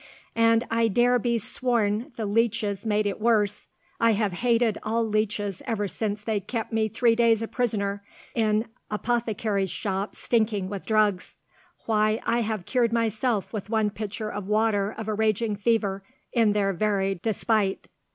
"And I dare be sworn the leeches made it worse. I have hated all leeches ever since they kept me three days a prisoner in a 'pothecary's shop stinking with drugs. Why, I have cured myself with one pitcher of water of a raging fever, in their very despite!